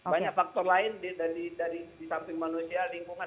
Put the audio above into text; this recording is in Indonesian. banyak faktor lain dari disamping manusia lingkungan